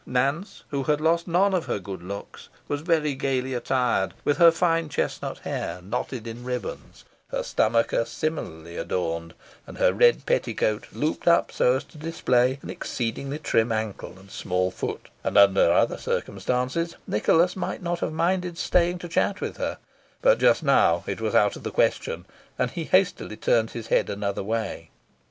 Nance, who had lost none of her good looks, was very gaily attired, with her fine chestnut hair knotted with ribbons, her stomacher similarly adorned, and her red petticoat looped up, so as to display an exceedingly trim ankle and small foot; and, under other circumstances, Nicholas might not have minded staying to chat with her, but just now it was out of the question, and he hastily turned his head another way.